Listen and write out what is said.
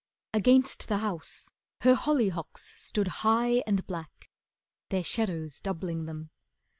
Against the house, her hollyhocks stood high And black, their shadows doubling them.